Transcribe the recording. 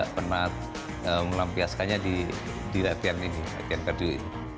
karena melampiaskannya di latihan ini latihan kardiom ini